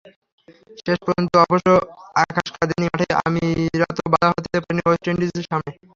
শেষ পর্যন্ত অবশ্য আকাশ কাঁদেনি, মাঠে আমিরাতও বাধা হতে পারেনি ওয়েস্ট ইন্ডিজের সামনে।